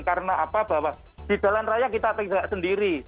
karena apa bahwa di jalan raya kita tidak sendiri